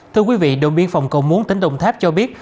thưa quý vị đồn biên phòng cầu muốn tỉnh đồng tháp cho biết